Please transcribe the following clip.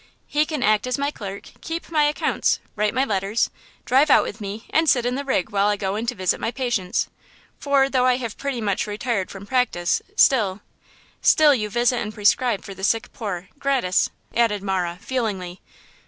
He can act as my clerk, keep my accounts, write my letters, drive out with me and sit in the rig while I go in to visit my patients, for though I have pretty much retired from practice, still–" "Still you visit and prescribe for the sick poor, gratis!" added Marah, feelingly.